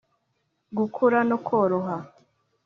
gukura no koroha